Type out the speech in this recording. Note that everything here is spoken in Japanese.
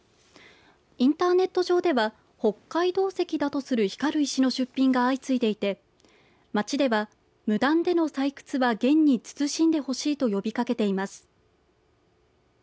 インターネット上では北海道石だとする光る石の出品が相次いでいて町では無断での採掘は厳に慎んでほしいと呼びかけています。